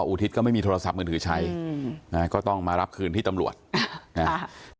อุทิศก็ไม่มีโทรศัพท์มือถือใช้อืมนะฮะก็ต้องมารับคืนที่ตำรวจนะฮะ